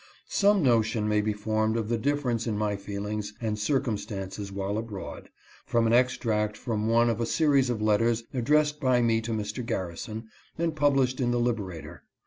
Some notion may be formed of the difference in my feelings and circumstances while abroad, from an extract from one of a series of letters addressed by me to Mr. Garrison, and published in the Liberator.